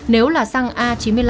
nếu là xăng a chín mươi năm